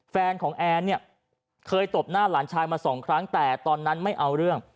แฟนของแอนเนี่ยเคยตบหน้าหลานชายมาสองครั้งแต่ตอนนั้นไม่เอาเรื่อง